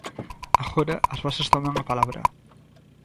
Agora, as bases toman a palabra.